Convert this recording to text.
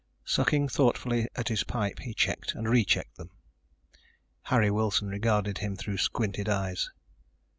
Sucking thoughtfully at his pipe, he checked and rechecked them. Harry Wilson regarded him through squinted eyes.